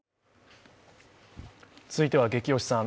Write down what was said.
続いては「ゲキ推しさん」。